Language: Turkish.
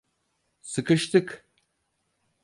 Sıkıştık!